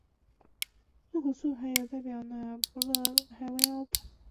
入口处还有代表那不勒斯的海妖帕泰诺佩头像。